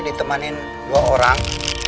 ditemanin dua orang